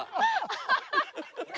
アハハハ！